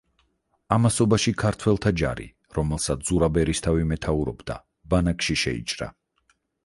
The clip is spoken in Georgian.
ამასობაში ქართველთა ჯარი, რომელსაც ზურაბ ერისთავი მეთაურობდა, ბანაკში შეიჭრა.